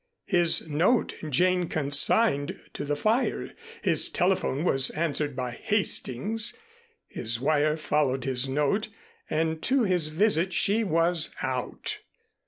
His note Jane consigned to the fire, his telephone was answered by Hastings, his wire followed his note, and to his visit she was out.